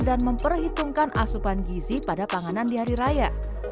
dan memperhitungkan asupan gizi pada panganan di hari raya